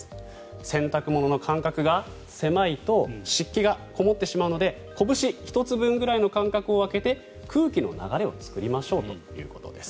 洗濯物の間隔が狭いと湿気がこもってしまうのでこぶし１つ分ぐらいの間隔を空けて空気の流れを作りましょうということです。